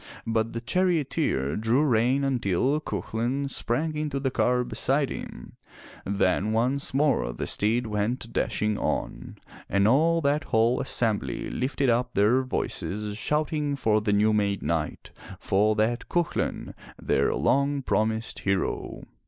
But the charioteer drew rein until Cuchulain sprang into the car beside him, then once more the steeds went dashing on, and all that whole assembly lifted up their voices shouting for the new made knight, for that Cuchu lain, their long promised hero.